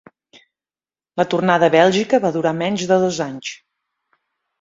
La tornada a Bèlgica va durar menys de dos anys.